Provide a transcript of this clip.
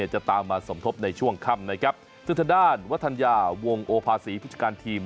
จะตามมาสมทบในช่วงค่ำนะครับสถดานวัฒนญาวงโอภาศีพุทธการทีม